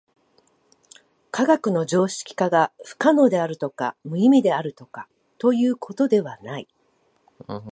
科学の常識化が不可能であるとか無意味であるとかということではない。